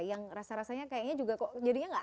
yang rasa rasanya kayaknya juga kok jadinya nggak